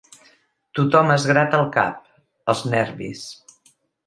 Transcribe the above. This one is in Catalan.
Tothom es grata el cap. Els nervis.